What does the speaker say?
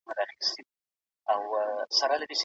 ټول افغانان د ملي افتخاراتو شریکان دي.